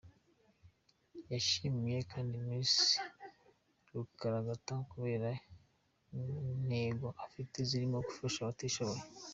Yashimye kandi Miss Rukaragata kubera intego afite zirimo gufasha abatishoboye.